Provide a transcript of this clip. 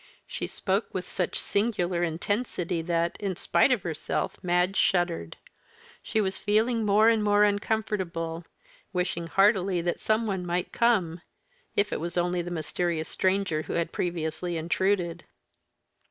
She spoke with such singular intensity that, in spite of herself, Madge shuddered. She was feeling more and more uncomfortable wishing heartily that some one might come, if it was only the mysterious stranger who had previously intruded.